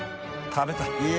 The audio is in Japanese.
食べたい。